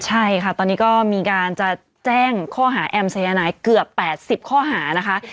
ใช่ค่ะตอนนี้ก็มีการจะแจ้งข้อหาแอมสายนายเกือบ๘๐ข้อหานะคะ